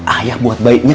ayah buat baiknya